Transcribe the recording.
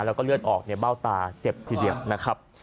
แล้วก็เลือดออกในเบ้าตาเจ็บทีเดียวนะครับ